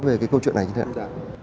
về cái câu chuyện này như thế nào